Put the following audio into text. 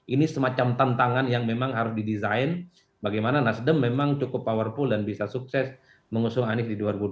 ini semacam tantangan yang memang harus didesain bagaimana nasdem memang cukup powerful dan bisa sukses mengusung anies di dua ribu dua puluh